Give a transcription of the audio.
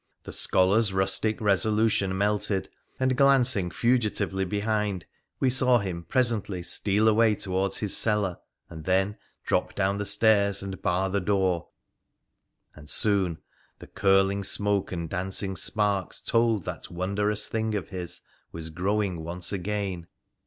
The scholar's rustic resolution melted, and, glancing fugitively behind, we saw him presently steal away towards his cellar, and then drop down the stairs, and bar the door, and soon the curling smoke and dancing sparks told that wondrous thing of his was growing once again.